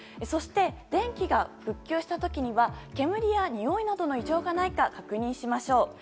そして、電気が復旧した時には煙やにおいなどの異常がないかを確認しましょう。